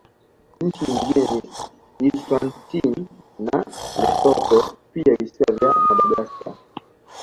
Nchi nyingine ni Eswatini na Lesotho pia Visiwa vya Madagaskar